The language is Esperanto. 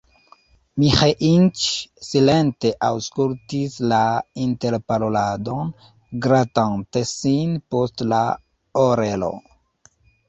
Miĥeiĉ silente aŭskultis la interparoladon, gratante sin post la orelo.